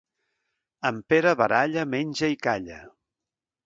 En Pere baralla, menja i calla.